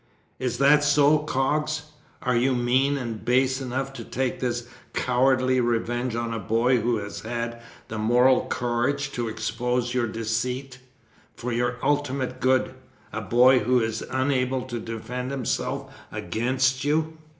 "Is that so, Coggs? Are you mean and base enough to take this cowardly revenge on a boy who has had the moral courage to expose your deceit for your ultimate good a boy who is unable to defend himself against you?"